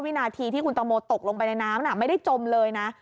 วินาทีที่คุณตังโมตกลงไปในน้ำไม่ได้จมเลยนะ